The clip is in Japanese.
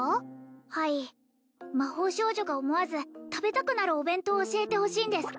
はい魔法少女が思わず食べたくなるお弁当を教えてほしいんです